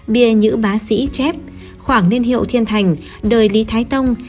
bia nhữ bá sĩ chép khoảng niên hiệu thiên thành đời lý thái tông